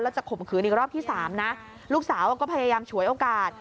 จะข่มขืนอีกรอบที่สามนะลูกสาวก็พยายามฉวยโอกาส